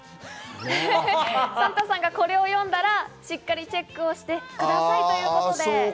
サンタさんがこれを読んだら、しっかりチェックをしてくださいということで。